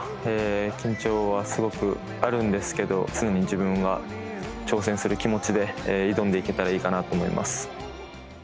緊張はすごくあるんですけど、常に自分が挑戦する気持ちで挑んでいけたらいいかなと思います。